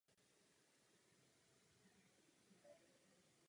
Jsou to závody na vybraný počet kol.